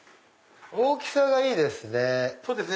大きさがいいですね。